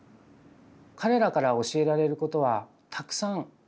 彼らから教えられることはたくさんあります。